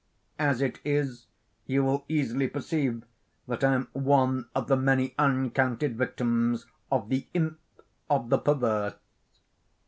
As it is, you will easily perceive that I am one of the many uncounted victims of the Imp of the Perverse.